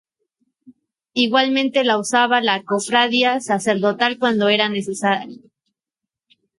Igualmente la usaba la cofradía sacerdotal cuando era necesario.